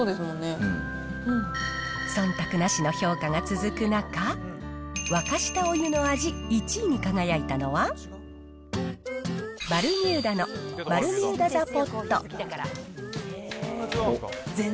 そんたくなしの評価が続く中、沸かしたお湯の味１位に輝いたのは、バルミューダのバルミューダザ・ポット。